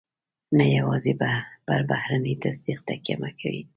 نو يوازې پر بهرني تصديق تکیه مه کوئ.